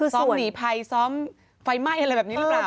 ซ้อมหนีภัยซ้อมไฟไหม้อะไรแบบนี้หรือเปล่า